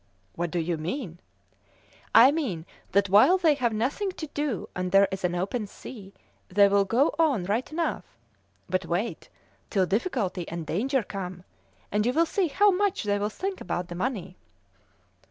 "What do you mean?" "I mean that while they have nothing to do, and there is an open sea, they will go on right enough; but wait till difficulty and danger come, and you will see how much they'll think about the money!"